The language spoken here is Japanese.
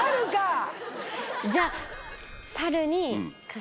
じゃあ。